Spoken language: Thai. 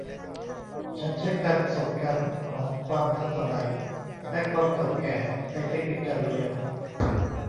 ฉันใช้การผสมกันของความทันสมัยและความเก่าแก่ในเทคนิคการเรียน